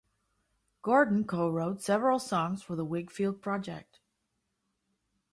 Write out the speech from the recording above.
Gordon co-wrote several songs for the Whigfield project.